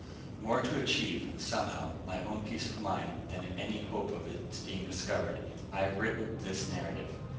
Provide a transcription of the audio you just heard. More to achieve, somehow, my own peace of mind, than in any hope of its being discovered, I have written this narrative.